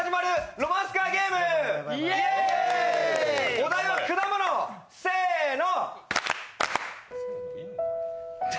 お題は果物、せーの。